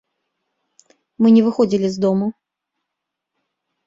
Мы не выходзілі з дому.